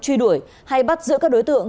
truy đuổi hay bắt giữa các đối tượng